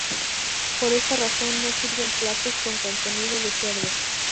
Por esta razón no sirven platos con contenido de cerdo.